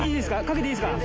かけていいですか？